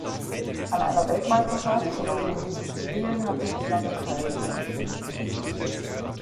An einer Weltmeisterschaft oder den Olympischen Spielen hat sie bislang nicht teilgenommen.